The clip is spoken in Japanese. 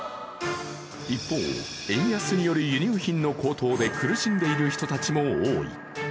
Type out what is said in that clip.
一方、円安による輸入品の高騰により苦しんでいる人たちも多い。